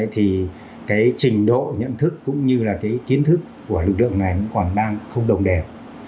thì cái trình độ nhận thức cũng như là cái kiến thức của lực lượng này cũng còn đang không đồng đều